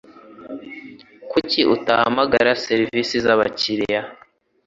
Kuki utahamagara serivisi zabakiriya?